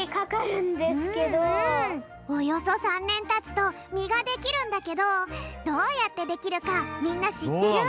およそ３年たつとみができるんだけどどうやってできるかみんなしってる？